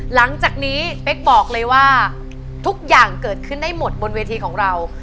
หลังจากนี้เป๊กบอกเลยว่าทุกอย่างเกิดขึ้นได้หมดบนเวทีของเรา